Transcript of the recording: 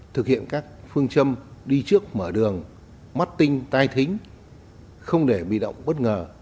thực hiện các phương châm đi trước mở đường mắt tinh tai thính không để bị động bất ngờ